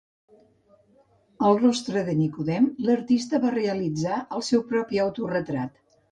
Al rostre de Nicodem l'artista va realitzar el seu propi autoretrat.